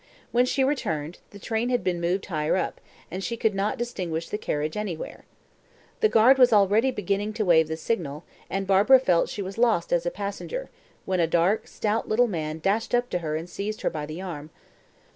When she returned, the train had been moved higher up, and she could not distinguish the carriage anywhere. The guard was already beginning to wave the signal, and Barbara felt she was a lost passenger, when a dark, stout little man dashed up to her and seized her by the arm.